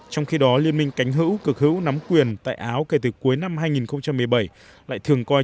trong khi đó liên minh cánh hữu cực hữu nắm quyền tại áo kể từ cuối năm hai nghìn một mươi bảy lại thường coi